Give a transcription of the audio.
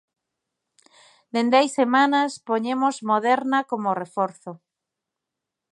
Dende hai semanas poñemos Moderna como reforzo.